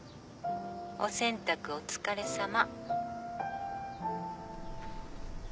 お洗濯お疲れさま。